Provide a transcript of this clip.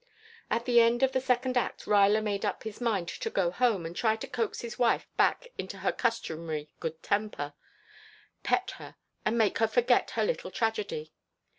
At the end of the second act Ruyler made up his mind to go home and try to coax his wife back into her customary good temper, pet her and make her forget her little tragedy.